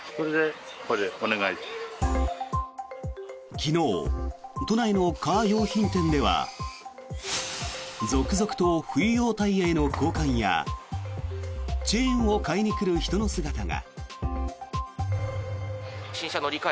昨日、都内のカー用品店では続々と冬用タイヤへの交換やチェーンを買いに来る人の姿が。